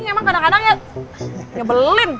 ini emang kadang kadang ya belin